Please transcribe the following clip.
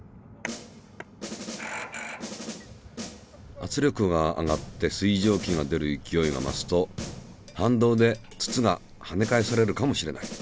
圧力が上がって水蒸気が出る勢いが増すと反動で筒がはね返されるかもしれない。